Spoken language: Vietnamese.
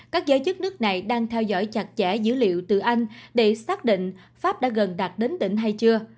các giới chức nước này đang theo dõi chặt chẽ dữ liệu từ anh để xác định pháp đã gần đạt đến định hay chưa